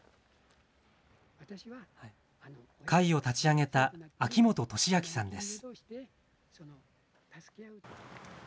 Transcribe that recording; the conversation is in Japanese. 会を立ち上げた秋本敏明さんです。